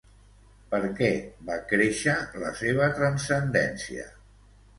Per què va créixer la seva transcendència?